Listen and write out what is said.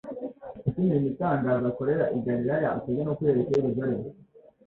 Kuki imirimo itangaza akorera i Galilaya atajya no kuyerekana i Yerusalemu?